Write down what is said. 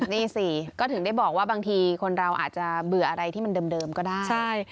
นี่สิก็ถึงได้บอกว่าบางทีคนเราอาจจะเบื่ออะไรที่มันเดิมก็ได้